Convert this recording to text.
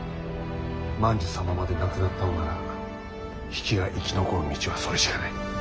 万寿様まで亡くなったのなら比企が生き残る道はそれしかない。